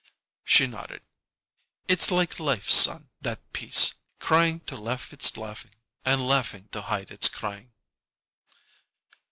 She nodded. "It's like life, son, that piece. Crying to hide its laughing and laughing to hide its crying."